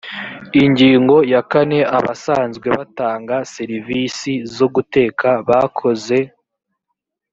ingingo ya kane abasanzwe batanga serivisi zo guteka bakoze